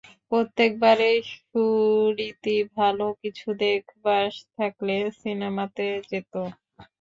প্রত্যেকবারেই সুরীতি ভালো কিছু দেখবার থাকলে সিনেমাতে যেত।